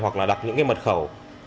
hoặc là đặt những mật khẩu